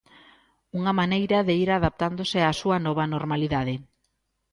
Unha maneira de ir adaptándose á súa nova normalidade.